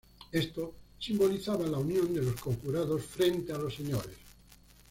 Esto simbolizaba la unión de los conjurados frente a los Señores.